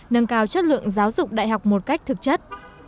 nâng cao chất lượng giáo dục đại học một cách thực chất